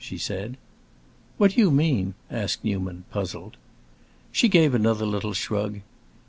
she said. "What do you mean?" asked Newman, puzzled. She gave another little shrug.